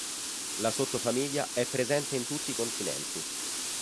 La sottofamiglia è presente in tutti i continenti.